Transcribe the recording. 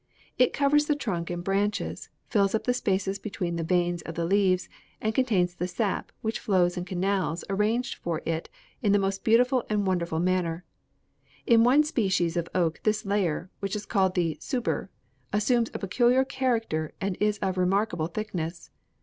It covers the trunk and branches, fills up the spaces between the veins of the leaves and contains the sap, which flows in canals arranged for it in the most beautiful and wonderful manner. In one species of oak this layer which is called the suber assumes a peculiar character and is of remarkable thickness.